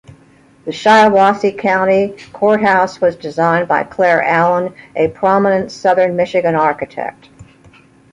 The Shiawassee County Courthouse was designed by Claire Allen, a prominent southern Michigan architect.